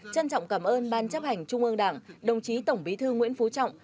trân trọng cảm ơn ban chấp hành trung ương đảng đồng chí tổng bí thư nguyễn phú trọng